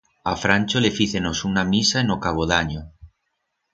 A Francho le fícenos una misa en o cabo d'anyo.